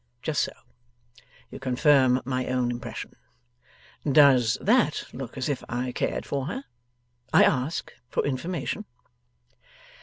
Just so. You confirm my own impression. Does that look as if I cared for her? I ask, for information.